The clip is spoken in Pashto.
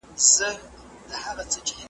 پوهانو پخوا د سیاست علمي والی رد کړ.